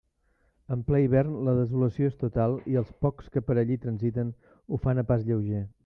En ple hivern la desolació és total i els pocs que per allí transiten ho fan a pas lleuger.